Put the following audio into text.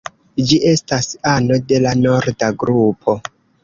Ĝi estas ano de la norda grupo.